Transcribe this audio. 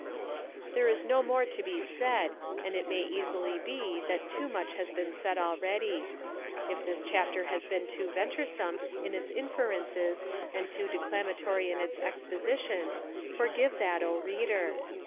There is no more to be said and it may easily be that too much has been said already. If this chapter has 266 THE WOMEN WHO MAKE OUR NOVELS been too venturesome in its inferences and too de clamatory in its exposition, forgive that, O reader!